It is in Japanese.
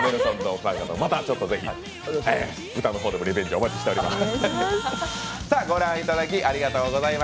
またぜひ、歌の方でもリベンジお待ちしています。